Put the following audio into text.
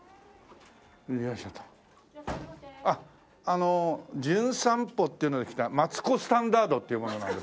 あの『じゅん散歩』っていうので来たマツコ・スタンダードっていう者なんですけど。